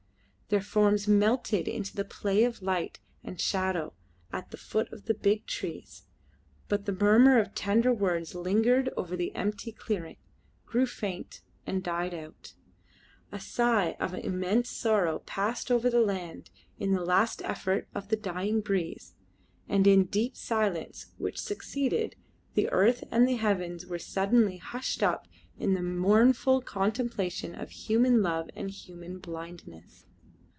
Their forms melted in the play of light and shadow at the foot of the big trees, but the murmur of tender words lingered over the empty clearing, grew faint, and died out. A sigh as of immense sorrow passed over the land in the last effort of the dying breeze, and in the deep silence which succeeded, the earth and the heavens were suddenly hushed up in the mournful contemplation of human love and human blindness.